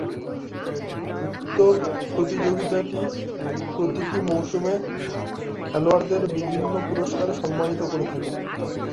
উক্ত প্রতিযোগিতাটি প্রতিটি মৌসুমে খেলোয়াড়দের বিভিন্ন পুরস্কারে সম্মানিত করে থাকে।